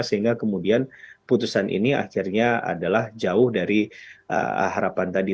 sehingga kemudian putusan ini akhirnya adalah jauh dari harapan tadi